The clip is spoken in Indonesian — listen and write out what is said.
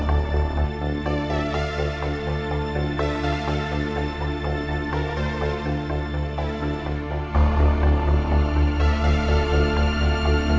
janganlah lo jadi panggung